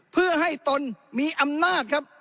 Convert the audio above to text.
เพื่อให้ตนมีอำนาจครับ